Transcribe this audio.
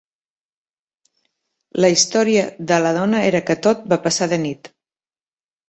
La història de la dona era que tot va passar de nit.